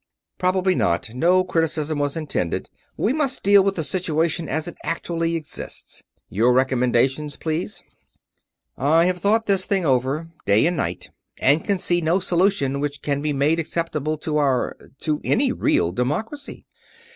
"Probably not. No criticism was intended; we must deal with the situation as it actually exists. Your recommendations, please?" "I have thought this thing over day and night, and can see no solution which can be made acceptable to our or to any real democracy.